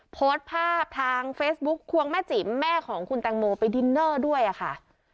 โพสต์ภาพทางเฟซบุ๊คควงแม่จิ๋มแม่ของคุณแตงโมไปดินเนอร์ด้วยค่ะ